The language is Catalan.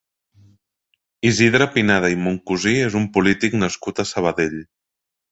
Isidre Pineda i Moncusí és un polític nascut a Sabadell.